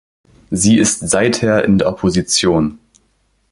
Sie ist seither in der Opposition.